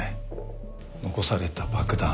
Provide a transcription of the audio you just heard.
残された爆弾。